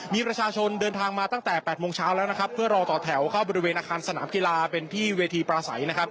มีประชาชนเดินทางมาตั้งแต่๘โมงเช้าแล้วนะครับเพื่อรอต่อแถวเข้าบริเวณอาคารสนามกีฬาเป็นที่เวทีปราศัยนะครับ